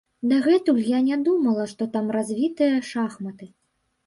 Дагэтуль я не думала, што там развітыя шахматы.